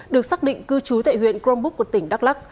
được xác định cư trú tại huyện crombook của tỉnh đắk lắc